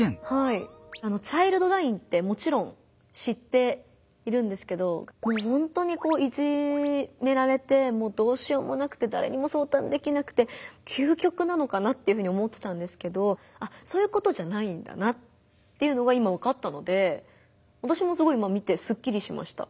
チャイルドラインってもちろん知っているんですけどもう本当にいじめられてもうどうしようもなくてだれにも相談できなくて究極なのかなって思ってたんですけどそういうことじゃないんだなっていうのが今わかったので私もすごい今見てすっきりしました。